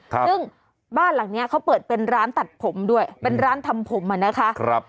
ซึ่งบ้านหลังเนี้ยเขาเปิดเป็นร้านตัดผมด้วยเป็นร้านทำผมอ่ะนะคะครับ